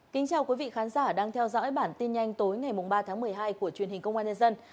kính chào quý vị khán giả đang theo dõi bản tin nhanh tối ngày ba tháng một mươi hai của truyền hình công an nhân dân